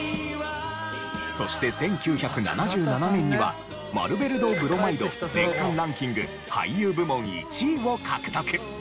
そして１９７７年にはマルベル堂ブロマイド年間ランキング俳優部門１位を獲得。